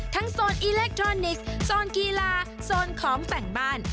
โซนอิเล็กทรอนิกส์โซนกีฬาโซนของแต่งบ้าน